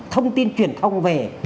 thông tin truyền thông về